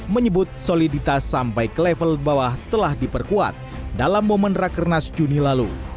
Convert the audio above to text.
menyebut soliditas sampai ke level bawah telah diperkuat dalam momen rakernas juni lalu